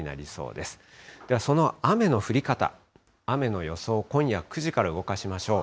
ではその雨の降り方、雨の予想、今夜９時から動かしましょう。